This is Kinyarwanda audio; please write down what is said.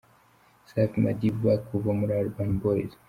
Safi Madiba kuva muri Urban Boys .